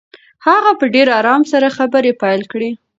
هغه په ډېر آرام سره خبرې پیل کړې.